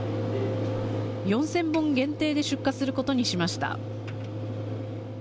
４０００本限定で出荷することにしました。